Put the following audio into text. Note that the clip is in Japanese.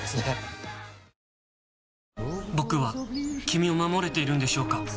僕は君を守れているんでしょうか？